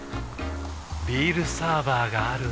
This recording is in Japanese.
ビールサーバーがある夏。